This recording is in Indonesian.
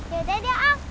ya deh deh om